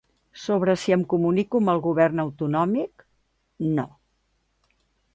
Sobre si em comunico amb el govern autonòmic, no.